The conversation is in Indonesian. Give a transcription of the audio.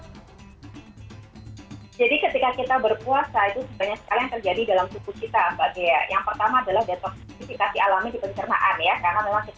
jadi ketika kita berpuasa itu banyak sekali yang terjadi dalam suku kita